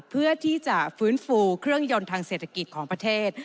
เพื่อที่จะฟื้นฟูเครื่องยนต์ทางเศรษฐกิจของประเทศ